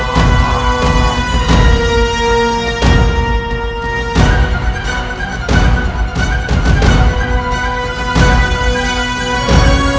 kami untuk mendapat abundasi